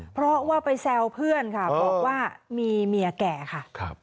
เพราะว่าไปแซวเพื่อนค่ะบอกว่ามีเมียแก่ค่ะ